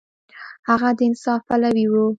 هغه د انصاف پلوی و.